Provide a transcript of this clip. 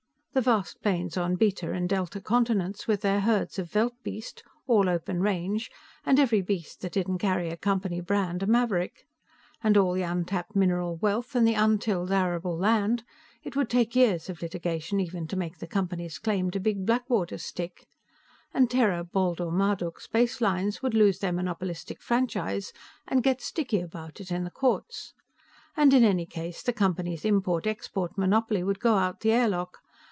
The vast plains on Beta and Delta continents, with their herds of veldbeest all open range, and every 'beest that didn't carry a Company brand a maverick. And all the untapped mineral wealth, and the untilled arable land; it would take years of litigation even to make the Company's claim to Big Blackwater stick. And Terra Baldur Marduk Spacelines would lose their monopolistic franchise and get sticky about it in the courts, and in any case, the Company's import export monopoly would go out the airlock.